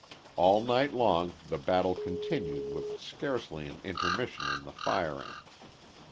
All night long the battle continued with scarcely an intermission in the firing.